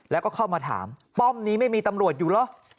แล้วก็เข้ามาถามป้อมนี้ไม่มีตำรวจอยู่เหรอ